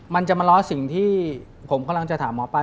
มันจะมาล้อสิ่งที่ผมกำลังจะถามหมอปลา